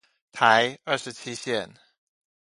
台二十七線